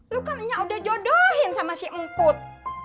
lu kan nyak udah jodohin sama si emput